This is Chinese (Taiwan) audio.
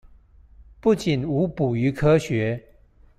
不僅無補於科學